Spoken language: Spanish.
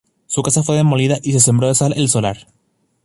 Su casa fue demolida y se sembró de sal el solar.